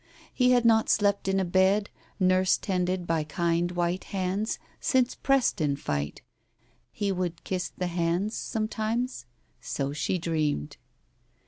He had not slept in a bed, nurse tended by kind white hands, since Preston fight. ... He would kiss the hands sometimes ?... So she dreamed.